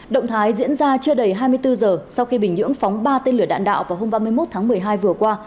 động thái diễn ra chưa đầy hai mươi bốn giờ sau khi bình nhưỡng phóng ba tên lửa đạn đạo vào hôm ba mươi một tháng một mươi hai vừa qua